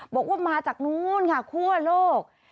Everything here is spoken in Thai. บอกว่ามาจากนู้นค่ะคั่วโลก